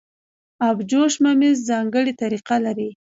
ابجوش ممیز ځانګړې طریقه لري.